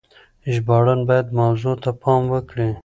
ژباړن بايد موضوع ته پام وکړي.